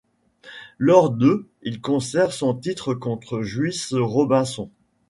Lors de ', il conserve son titre contre Juice Robinson.